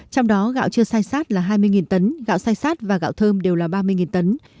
trong đó gạo chưa sai sát là hai mươi tấn gạo sai sát và gạo thơm đều là ba mươi tấn